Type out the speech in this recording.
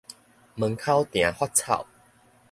門口埕發草